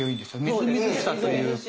みずみずしさというか。